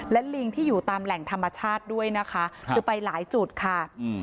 และลิงที่อยู่ตามแหล่งธรรมชาติด้วยนะคะคือไปหลายจุดค่ะอืม